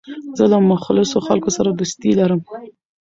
زه له مخلصو خلکو سره دوستي لرم.